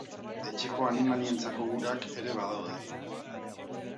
Etxeko animalientzako urak ere badaude.